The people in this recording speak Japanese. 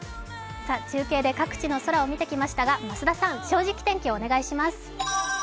中継で各地の空を見てきましたが、増田さん、「正直天気」お願いします。